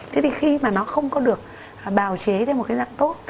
thế thì khi mà nó không có được bảo chế theo một cái dạng tốt